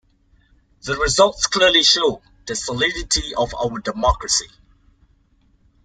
The results clearly show the solidity of our democracy.